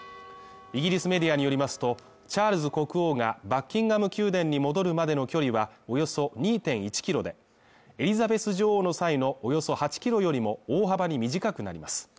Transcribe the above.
イギリスメディアによりますと、チャールズ国王がバッキンガム宮殿に戻るまでの距離はおよそ２．１ｋｍで、エリザベス女王の際のおよそ８ｋｍよりも大幅に短くなります。